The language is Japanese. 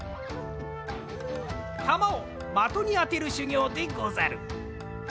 たまを的にあてるしゅぎょうでござる。